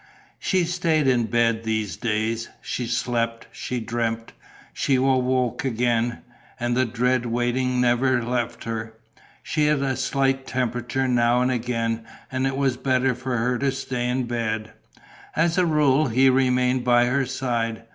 She stayed in bed these days; she slept, she dreamt, she awoke again; and the dread waiting never left her. She had a slight temperature now and again; and it was better for her to stay in bed. As a rule, he remained by her side.